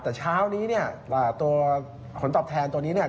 แต่เช้านี้ตัวผลตอบแทนตัวนี้